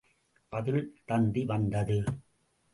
பதில் தந்தி வந்தது.